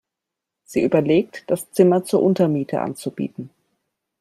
Sie überlegt, das Zimmer zur Untermiete anzubieten.